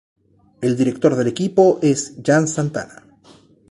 El director del equipo es Jan Santana.